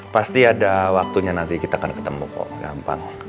pasti ada waktunya nanti kita akan ketemu kok gampang